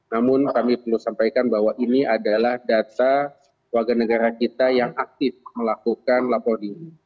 namun kami perlu sampaikan bahwa ini adalah data warga negara kita yang aktif melakukan laporan ini